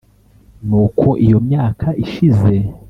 Nuko iyo myaka ishize